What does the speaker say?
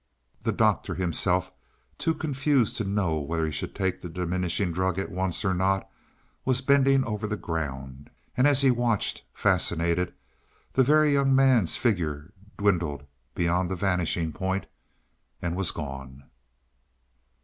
The Doctor himself too confused to know whether he should take the diminishing drug at once or not was bending over the ground. And as he watched, fascinated, the Very Young Man's figure dwindled beyond the vanishing point and was gone!